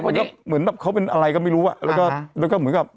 เหมือนก็เหมือนแบบเขาเป็นอะไรก็ไม่รู้อ่ะแล้วก็แล้วก็เหมือนกับ